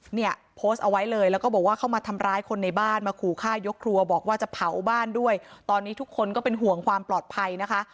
เนี่ยโพสต์เอาไว้เลยแล้วก็บอกว่าเข้ามาทำร้ายคนในบ้านมาขู่ฆ่ายกครัวบอกว่าจะเผาบ้านด้วยตอนนี้ทุกคนก็เป็นห่วงความปลอดภัยนะคะ